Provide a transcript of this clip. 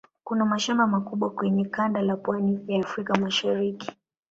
Kuna mashamba makubwa kwenye kanda la pwani ya Afrika ya Mashariki.